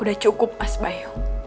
udah cukup mas bayu